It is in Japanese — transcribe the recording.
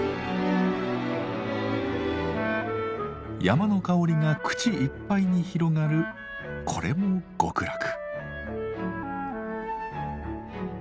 山の香りが口いっぱいに広がるこれも極楽。